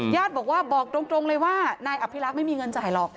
ญาติบอกว่าบอกตรงเลยว่านายอภิรักษ์ไม่มีเงินจ่ายหรอก